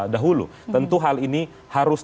dahulu tentu hal ini harus